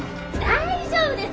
大丈夫ですよ。